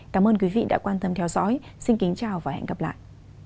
cảm ơn quý vị đã quan tâm theo dõi xin kính chào và hẹn gặp lại